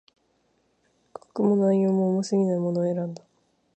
価格も、内容も、重過ぎないものを選んだ